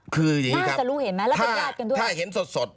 คืออย่างนี้น่าจะรู้เห็นไหมแล้วเป็นญาติกันด้วยถ้าเห็นสดสด